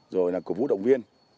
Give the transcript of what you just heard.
rồi là cổ vũ động viên